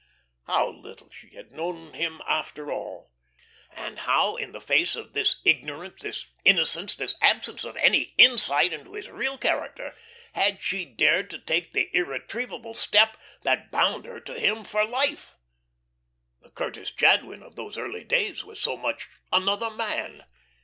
How little she had known him after all! And how, in the face of this ignorance, this innocence, this absence of any insight into his real character, had she dared to take the irretrievable step that bound her to him for life? The Curtis Jadwin of those early days was so much another man.